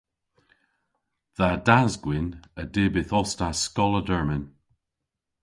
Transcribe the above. Dha das-gwynn a dyb yth os ta skoll a dermyn.